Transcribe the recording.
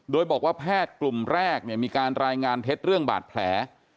โดยบอกว่าแพทย์กลุ่มแรกมีการรายงานเท็จเรื่องบาดแผล